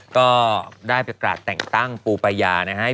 ก็ได้ไปกราดแต่งตั้งปูปายานะครับ